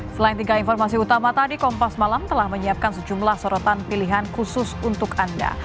selain tiga informasi utama tadi kompas malam telah menyiapkan sejumlah sorotan pilihan khusus untuk anda